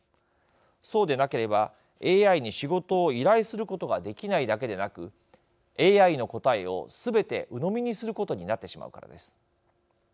そうでなければＡＩに仕事を依頼することができないだけでなくＡＩの答えをすべてうのみにすることになってしまうからです。